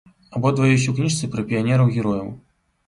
Абодва ёсць у кніжцы пра піянераў-герояў.